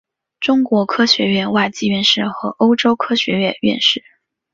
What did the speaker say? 中国科学院外籍院士和欧洲科学院院士。